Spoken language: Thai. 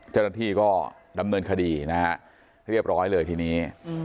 เจ้าหน้าที่ก็ดำเนินคดีนะฮะเรียบร้อยเลยทีนี้